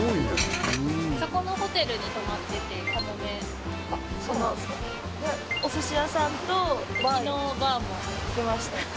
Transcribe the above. そこのホテルに泊まっててＫＡＭＯＭＥおすし屋さんとバー昨日バーも行きました